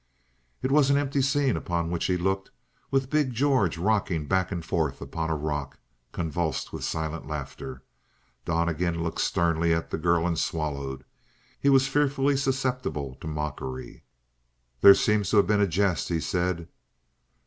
It was an empty scene upon which they looked, with big George rocking back and forth upon a rock, convulsed with silent laughter. Donnegan looked sternly at the girl and swallowed. He was fearfully susceptible to mockery. "There seems to have been a jest?" he said.